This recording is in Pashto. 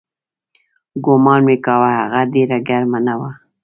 ګومان مې کاوه هغه ډېره ګرمه نه وه.